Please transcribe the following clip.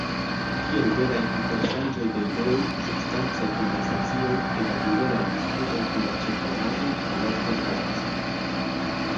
Tiel veraj interŝanĝoj de ideoj, substancaj konversacioj, egalnivelaj diskutoj kun la ĉirkaŭaĵo malofte okazas.